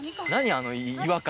あの違和感。